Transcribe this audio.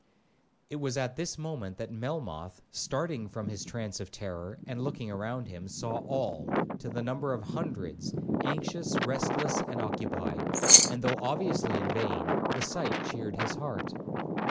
It was at this moment that Melmoth, starting from his trance of terror, and looking round him, saw all, to the number of hundreds, anxious, restless, and occupied; and, though obviously in vain, the sight cheered his heart.